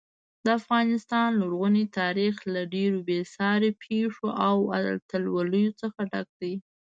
د افغانستان لرغونی تاریخ له ډېرو بې ساري پیښو او اتلولیو څخه ډک دی.